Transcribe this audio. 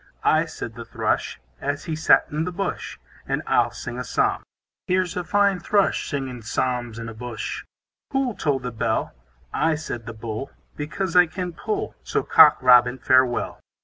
I, said the Thrush, As he sat in the bush; And I'll sing a psalm. Here's a fine Thrush, Singing psalms in a bush. Who'll toll the bell? I, said the Bull, Because I can pull; So Cock Robin, farewell.